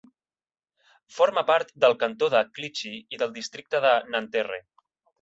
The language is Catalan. Forma part del cantó de Clichy i del districte de Nanterre.